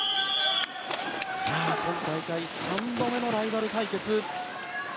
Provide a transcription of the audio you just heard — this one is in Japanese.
今大会、３度目のライバル対決。